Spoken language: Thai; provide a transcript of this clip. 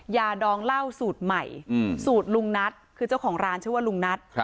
มาดูส่วนผสมของเขาหน่อยนะ